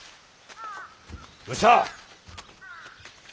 どうした？